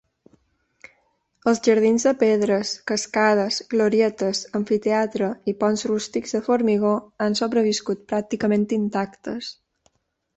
Els jardins de pedres, cascades, glorietes, amfiteatre i ponts rústics de formigó han sobreviscut pràcticament intactes.